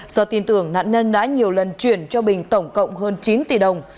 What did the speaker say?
do tin tưởng nạn nhân đã nhiều lần chuyển cho bình tổng cộng hơn chín tỷ đồng